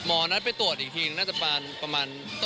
หมอนัทไปตรวจอีกทีน่าจะปราห์ดประมาณ๘ต้นเหรอครับ